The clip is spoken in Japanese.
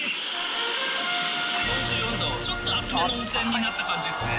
ちょっと熱めの温泉になった感じっすね。